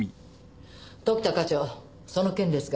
時田課長その件ですが。